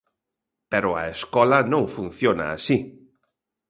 Pero a escola non funciona así.